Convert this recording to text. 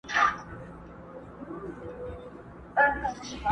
چي چاره د دې قاتل وکړي پخپله؛